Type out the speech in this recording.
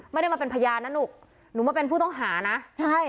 ไม่ได้มาเป็นพยานนะลูกหนูมาเป็นผู้ต้องหานะใช่